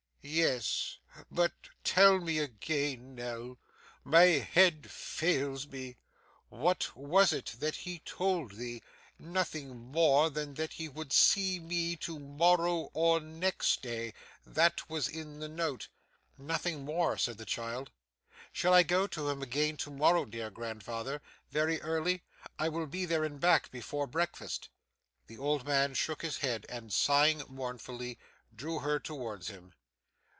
'Yes. But tell me again, Nell. My head fails me. What was it that he told thee? Nothing more than that he would see me to morrow or next day? That was in the note.' 'Nothing more,' said the child. 'Shall I go to him again to morrow, dear grandfather? Very early? I will be there and back, before breakfast.' The old man shook his head, and sighing mournfully, drew her towards him.